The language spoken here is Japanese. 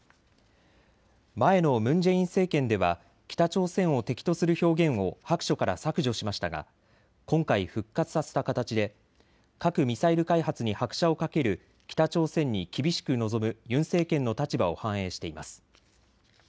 前のムン・ジェイン政権では北朝鮮を敵とする表現を白書から削除しましたが今回、復活させた形で核・ミサイル開発に拍車をかける北朝鮮に厳しく臨むユン政権の立場を反映しています。